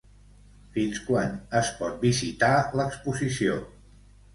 Fins quan es pot visitar l'exposició?